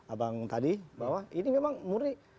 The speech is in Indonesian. abang tadi bahwa ini memang murni